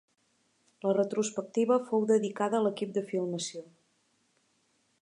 La retrospectiva fou dedicada a l'equip de filmació.